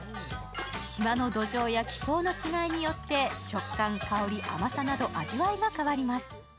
島の土壌や気候の違いによって食感・香り・甘さなど味わいが変わります。